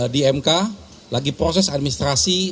di mk lagi proses administrasi